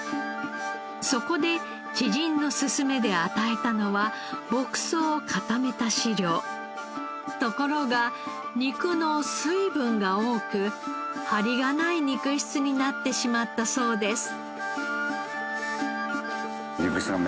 そこで知人の勧めで与えたのはところが肉の水分が多くハリがない肉質になってしまったそうです。